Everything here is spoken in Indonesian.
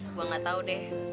gue nggak tahu deh